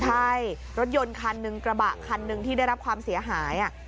ใช่รถยนต์คันหนึ่งกระบะคันหนึ่งที่ได้รับความเสียหาย